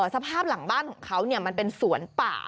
สภาพหลังบ้านของเขามันเป็นสวนป่า